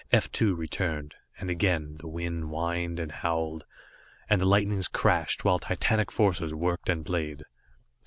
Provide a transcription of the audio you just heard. F 2 returned, and again, the wind whined and howled, and the lightnings crashed, while titanic forces worked and played.